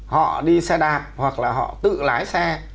họ đi xe đạp hoặc là họ tự lái xe